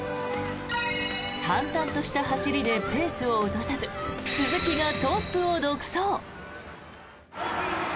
淡々とした走りでペースを落とさず鈴木がトップを独走。